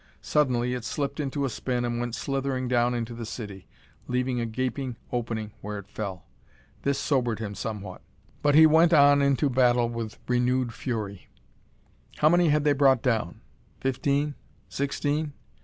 Suddenly it slipped into a spin and went slithering down into the city, leaving a gaping opening where it fell. This sobered him somewhat, but he went into the battle with renewed fury. How many had they brought down? Fifteen? Sixteen?